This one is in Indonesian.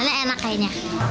ini enak kayaknya